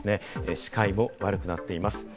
視界も悪くなっています。